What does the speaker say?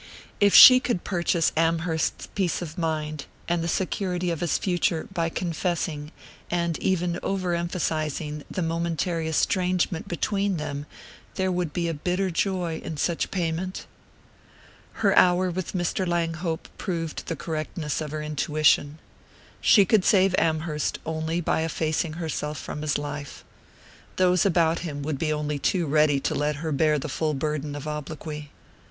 If she could purchase Amherst's peace of mind, and the security of his future, by confessing, and even over emphasizing, the momentary estrangement between them there would be a bitter joy in such payment! Her hour with Mr. Langhope proved the correctness of her intuition. She could save Amherst only by effacing herself from his life: those about him would be only too ready to let her bear the full burden of obloquy.